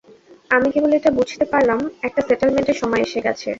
আমি কেবল এটা বুঝতে পারলাম একটা সেটেলমেন্টের সময় এসে গেছে।